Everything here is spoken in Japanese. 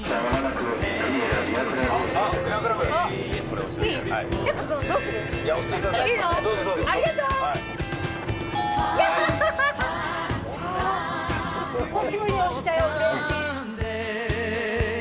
久しぶりに押したようれしい。